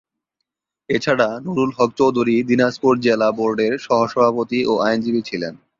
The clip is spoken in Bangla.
এছাড়া নুরুল হক চৌধুরী দিনাজপুর জেলা বোর্ডের সহসভাপতি ও আইনজীবী ছিলেন।